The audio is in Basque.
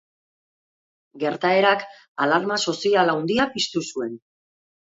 Gertaerak alarma sozial handia piztu zuen.